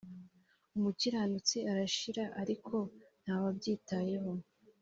umukiranutsi arashira ariko nta wabyitayeho